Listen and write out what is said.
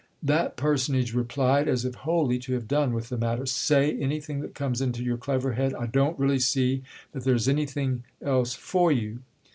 That personage replied as if wholly to have done with the matter. "Say anything that comes into your clever head. I don't really see that there's anything else for you!"